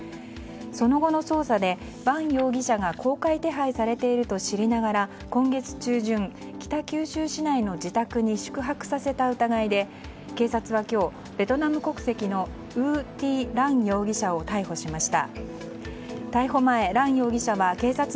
その後の捜査でヴァン容疑者が公開手配されていると知りながら今月中旬、北九州市内の自宅に宿泊させた疑いで警察は今日、ベトナム国籍の逮捕しました。